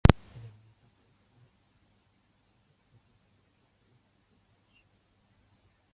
Hindu music is music created for or influenced by Hinduism.